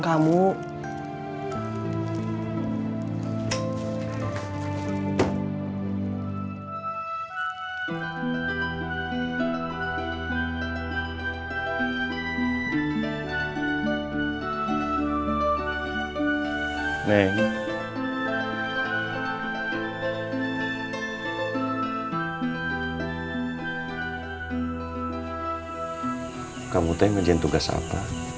kamu tuh yang ngerjain tugas apa